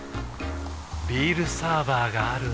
ビールサーバーがある夏。